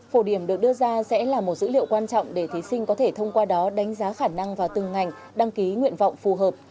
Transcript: phổ điểm được đưa ra sẽ là một dữ liệu quan trọng để thí sinh có thể thông qua đó đánh giá khả năng vào từng ngành đăng ký nguyện vọng phù hợp